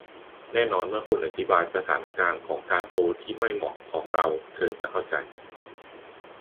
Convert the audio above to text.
แน่นอนเมื่อคุณอธิบายสถานการณ์ของการโทรที่ไม่เหมาะของเราเธอจะเข้าใจ